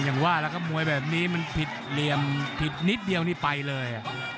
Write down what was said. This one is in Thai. อย่างว่าแล้วก็มวยแบบนี้มันผิดเหลี่ยมผิดนิดเดียวนี่ไปเลย